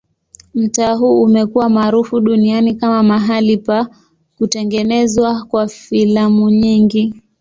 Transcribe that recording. Mtaa huu umekuwa maarufu duniani kama mahali pa kutengenezwa kwa filamu nyingi.